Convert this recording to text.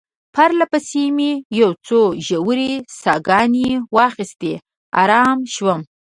پرله پسې مې یو څو ژورې ساه ګانې واخیستې، آرام شوم.